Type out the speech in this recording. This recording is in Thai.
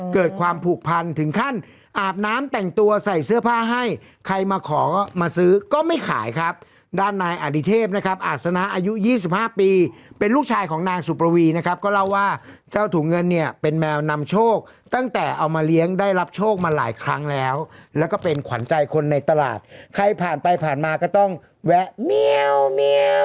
เกิดความผูกพันถึงขั้นอาบน้ำแต่งตัวใส่เสื้อผ้าให้ใครมาขอมาซื้อก็ไม่ขายครับด้านนายอดิเทพนะครับอาศนะอายุ๒๕ปีเป็นลูกชายของนางสุปวีนะครับก็เล่าว่าเจ้าถุงเงินเนี่ยเป็นแมวนำโชคตั้งแต่เอามาเลี้ยงได้รับโชคมาหลายครั้งแล้วแล้วก็เป็นขวัญใจคนในตลาดใครผ่านไปผ่านมาก็ต้องแวะเมียวเมียว